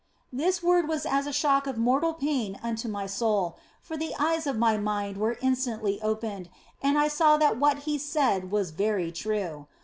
This word was as a shock of mortal pain unto my soul, for the eyes of my mind were instantly opened, and I saw that what He said was very true.